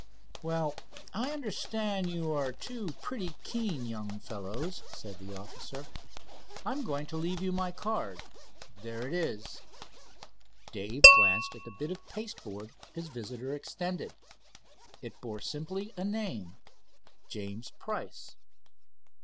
"Well, I understand you are two pretty keen young fellows," said the officer, "I'm going to leave you my card. There it is." Dave glanced at the bit of pasteboard his visitor extended. It bore simply a name: "James Price."